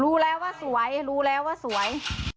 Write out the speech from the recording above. รู้แล้วว่าสวยรู้แล้วว่าสวย